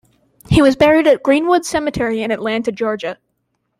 He was buried at Greenwood Cemetery in Atlanta, Georgia.